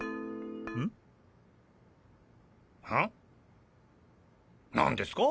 ん？は？何ですか？